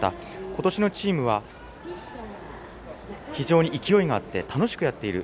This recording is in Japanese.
今年のチームは非常に勢いがあって楽しくやっている。